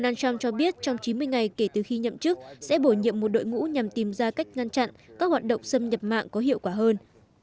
nhất trong chín mươi ngày kể từ khi nhậm chức sẽ bổ nhiệm một đội ngũ nhằm tìm ra cách ngăn chặn các hoạt động xâm nhập mạng có hiệu quả hơn